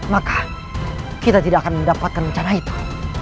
maka kita tidak akan mendapatkan rencana itu